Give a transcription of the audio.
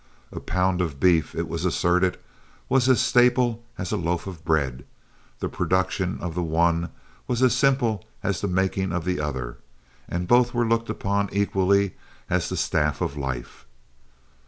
A pound of beef, it was asserted, was as staple as a loaf of bread, the production of the one was as simple as the making of the other, and both were looked upon equally as the staff of life.